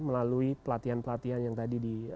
melalui pelatihan pelatihan yang tadi